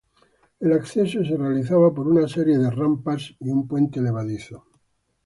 El acceso se realizaba por una serie de rampas y un puente levadizo.